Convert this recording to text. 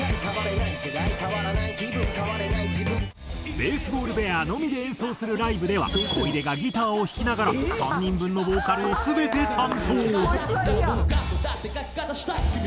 ＢａｓｅＢａｌｌＢｅａｒのみで演奏するライブでは小出がギターを弾きながら３人分のボーカルを全て担当。